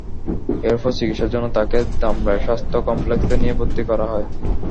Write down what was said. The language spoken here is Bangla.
এরপর চিকিৎসার জন্য তাঁকে ধামরাই স্বাস্থ্য কমপ্লেক্সে নিয়ে ভর্তি করা হয়।